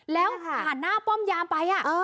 แล้วผ่านหน้าป้อมยามไป